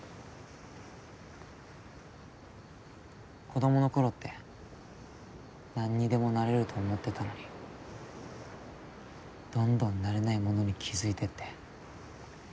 子供の頃って何にでもなれると思ってたのにどんどんなれないものに気付いてって。